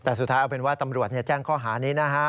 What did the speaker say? แต่สุดท้ายเอาเป็นว่าตำรวจแจ้งข้อหานี้นะฮะ